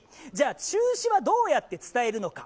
中止はどうやって伝えるのか。